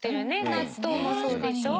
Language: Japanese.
納豆もそうでしょ？